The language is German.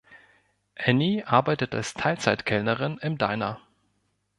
Annie arbeitet als Teilzeit-Kellnerin im Diner.